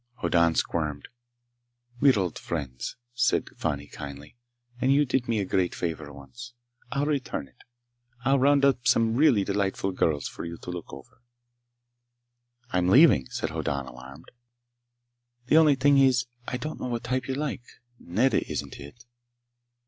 Hoddan squirmed. "We're old friends," said Fani kindly, "and you did me a great favor once. I'll return it. I'll round up some really delightful girls for you to look over." "I'm leaving," said Hoddan, alarmed. "The only thing is— I don't know what type you like. Nedda isn't it."